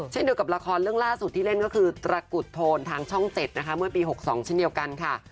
เช่นเดียวกับละครเรื่องล่าสุดที่เล่นก็คือตระกุดโทนทางช่อง๗นะคะเมื่อปี๖๒เช่นเดียวกันค่ะ